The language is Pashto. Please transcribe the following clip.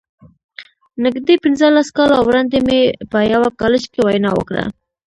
نږدې پينځلس کاله وړاندې مې په يوه کالج کې وينا وکړه.